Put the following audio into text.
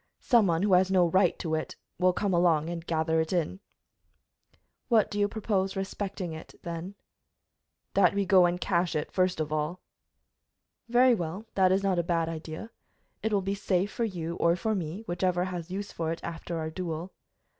Some one who has no right to it will come along and gather it in." "What do you propose respecting it, then?" "That we go and cache it first of all." "Very well, that is not a bad idea. It will be safe for you or for me, whichever has use for it after our duel."